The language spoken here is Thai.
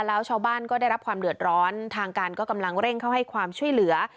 แล้วชาวบ้านก็ได้รับความเดือดร้อนทางการก็กำลังเร่งเข้าให้ความช่วยเหลือ